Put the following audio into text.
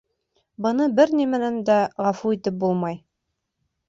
Быны бер ни менән дә ғәфү итеп булмай.